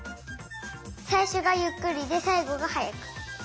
さいしょがゆっくりでさいごがはやく。